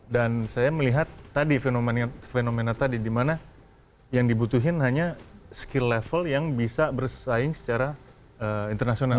dan saya melihat tadi fenomena tadi dimana yang dibutuhin hanya skill level yang bisa bersaing secara internasional